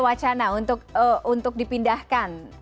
wacana untuk dipindahkan